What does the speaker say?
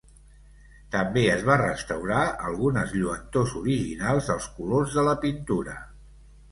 També es va restaurar algunes lluentors originals als colors de la pintura.